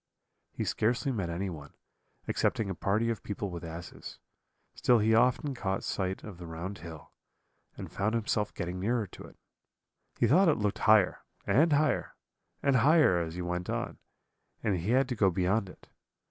He scarcely met anyone, excepting a party of people with asses; still he often caught sight of the round hill, and found himself getting nearer to it: he thought it looked higher, and higher, and higher as he went on, and he had to go beyond it.